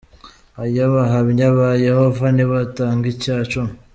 Oya, Abahamya ba Yehova ntibatanga icya cumi.